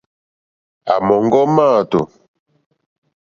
À mɔ̀ŋɡɔ́ máàtù,.